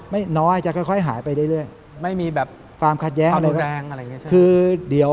ก็จะค่อยถูกขายไปเรื่อย